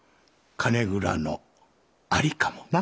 金蔵の在りかもな。